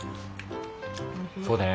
そうだよね。